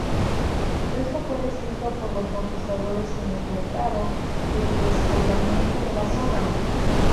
Esto fue descrito por los conquistadores quienes notaron el despoblamiento de la zona.